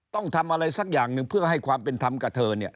ต้องทำอะไรสักอย่างหนึ่งเพื่อให้ความเป็นธรรมกับเธอเนี่ย